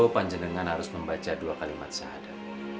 panjengengan harus membaca dua kalimat sahada